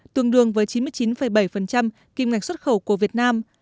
tương đương với chín mươi chín bảy kim ngạch xuất khẩu của việt nam